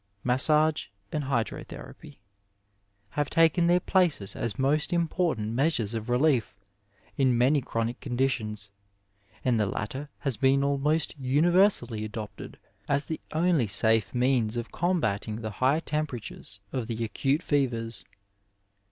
Massage and Hydrotherapy have taken their places as most important measures of relief in many chronic conditions, and the latter has been almost universally adopted as the only safe means of combating the high temperatures of the acute fevers.